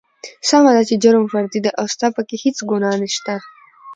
سمه ده چې جرم فردي دى او ستا پکې هېڅ ګنا نشته.